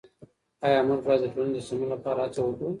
آيا موږ بايد د ټولني د سمون لپاره هڅه وکړو؟